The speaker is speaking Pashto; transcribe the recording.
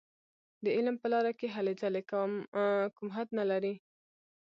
د علم په لاره کې هلې ځلې کوم حد نه لري.